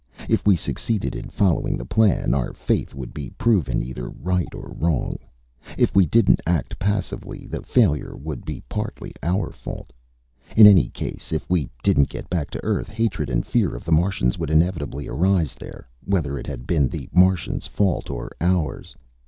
If we succeeded in following the plan, our faith would be proven either right or wrong. If we didn't act passively, the failure would be partly our fault. In any case, if we didn't get back to Earth, hatred and fear of the Martians would inevitably arise there, whether it had been the Martians' fault or ours.